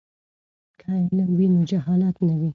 که علم وي نو جهالت نه وي.